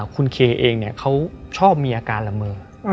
คุณเคเองเขาชอบมีอาการละเมอ